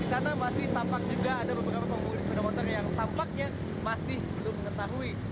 di sana masih tampak juga ada beberapa pemudik sepeda motor yang tampaknya masih belum mengetahui